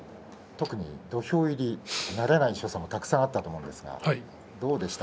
土俵入り慣れない所作もたくさんあったと思いますがどうですか？